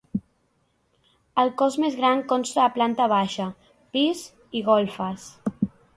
El cos més gran consta de planta baixa, pis i golfes.